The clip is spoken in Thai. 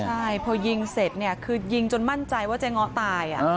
ใช่เพราะยิงเสร็จคือยิงจนมั่นใจว่าจะง้อตาย